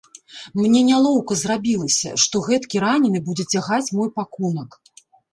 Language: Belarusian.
Мне нялоўка зрабілася, што гэткі ранены будзе цягаць мой пакунак.